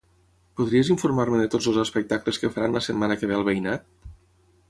Podries informar-me de tots els espectacles que faran la setmana que ve al veïnat?